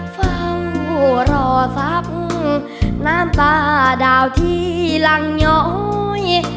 เฝ้ารอสักน้ำตาดาวที่หลังย้อย